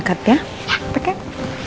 julie dapet ke sana